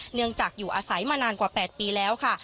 เนื่องจากอยู่อาศัยมานานกว่า๘ปีแล้วค่ะ